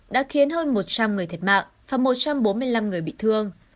đã khiến hơn một trăm linh người thiệt mạng và một trăm bốn mươi năm người bị thương